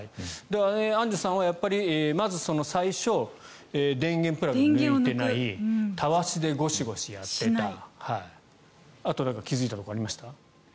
アンジュさんはまず、最初電源プラグを抜いてないたわしでゴシゴシやってたあと、気付いたところありましたか？